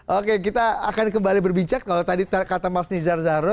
oke kita akan kembali berbincang kalau tadi kata mas nizar zahro